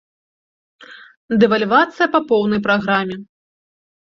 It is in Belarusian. Дэвальвацыя па поўнай праграме.